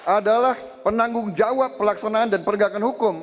adalah penanggung jawab pelaksanaan dan perenggakan hukum